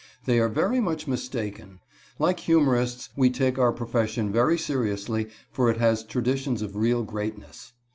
They are very much mistaken. Like humorists, we take our profession very seriously, for it has traditions of real greatness.